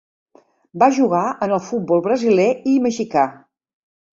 Va jugar en el futbol brasiler i mexicà.